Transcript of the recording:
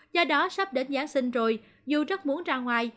do đó sắp đến giáng sinh rồi dù rất muốn ra ngoài